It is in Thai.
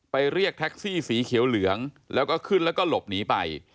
เรียกแท็กซี่สีเขียวเหลืองแล้วก็ขึ้นแล้วก็หลบหนีไป